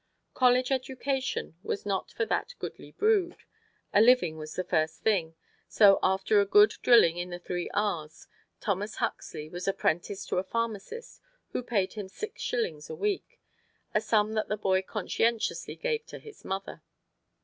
College education was not for that goodly brood a living was the first thing, so after a good drilling in the three R's, Thomas Huxley was apprenticed to a pharmacist who paid him six shillings a week, a sum that the boy conscientiously gave to his mother.